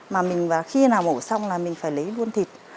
mà mình khi nào mổ xong là mình phải lấy luôn thịt